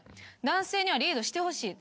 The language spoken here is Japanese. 男性にはリードしてほしい。